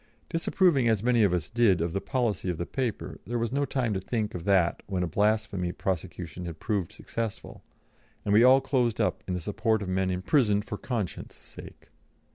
Disapproving as many of us did of the policy of the paper, there was no time to think of that when a blasphemy prosecution had proved successful, and we all closed up in the support of men imprisoned for conscience' sake.